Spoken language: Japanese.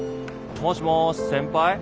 もしもし先輩？